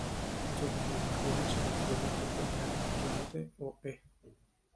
Muchos nombres masculinos se caracterizan por terminar en consonante o "-e".